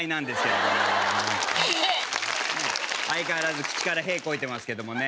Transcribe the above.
相変わらず口から屁こいてますけどもね。